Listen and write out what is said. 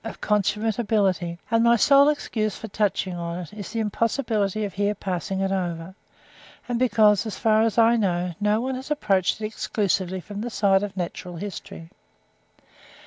of consummate ability; and my sole excuse for touching on it, is the impossibility of here passing it over; and because, as far as I know, no one has approached it exclusively from the side of natural history.